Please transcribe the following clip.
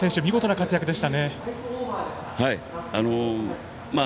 見事な活躍でしたね。